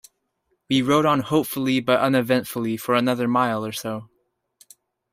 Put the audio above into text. We rode on hopefully but uneventfully for another mile or so.